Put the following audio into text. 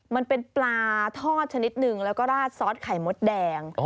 มันเป็นปลาทอดชนิดหนึ่งแล้วก็ราดซอสไข่มดแดง